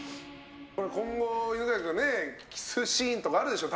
今後、犬飼君キスシーンとかあるでしょ。